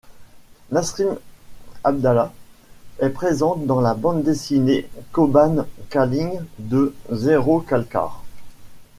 Nassrin Abdalla est présente dans la bande dessinée Kobane Calling de Zerocalcare.